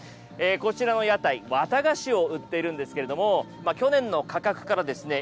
こちらの屋台綿菓子を売っているんですけれども去年の価格からですね